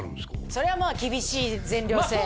そりゃまあ厳しい全寮制まあ